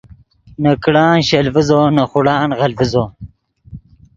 نے کڑان شل ڤیزو نے خوڑان غل ڤیزو